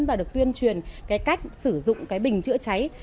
và được tuyên truyền cái cách sử dụng cái bình chữa cháy